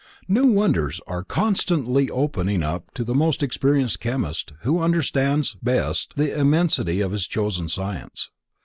New wonders are constantly opening up to the most experienced chemist, who understands best the immensity of his chosen science.